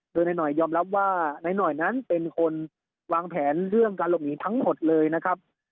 โดยนายหน่อยยอมรับว่านายหน่อยนั้นเป็นคนวางแผนเรื่องการหลบหนีทั้งหมดเลยนะครับ